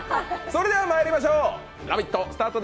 それではまいりましょう「ラヴィット！」